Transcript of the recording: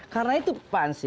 karena itu pak ansi